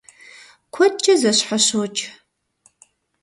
Куэдкӏэ зэщхьэщокӏ.